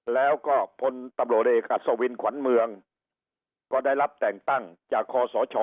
แล้วก็พลตำรวจเอกอัศวินขวัญเมืองก็ได้รับแต่งตั้งจากคอสช